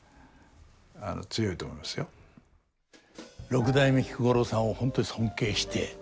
六代目菊五郎さんを本当に尊敬して。